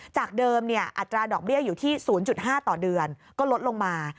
จากเดิมอัตราดอกเบี้ยอยู่ที่๐๕ต่อเดือนก็ลดลงมา